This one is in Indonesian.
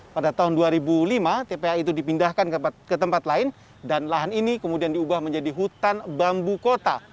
pada tahun dua ribu lima tpa itu dipindahkan ke tempat lain dan lahan ini kemudian diubah menjadi hutan bambu kota